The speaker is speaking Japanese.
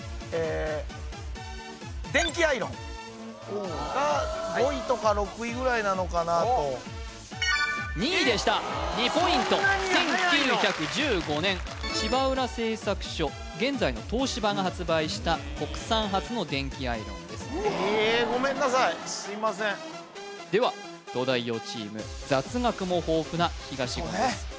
何かあからさまに下のが５位とか６位ぐらいなのかなと２位でした２ポイント１９１５年芝浦製作所現在の東芝が発売した国産初の電気アイロンですえーっごめんなさいすいませんでは東大王チーム雑学も豊富な東言です